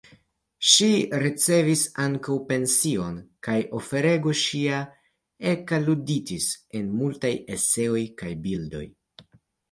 Ŝi ricevis ankaŭ pension kaj oferego ŝia ekalluditis en multaj eseoj kaj bildoj.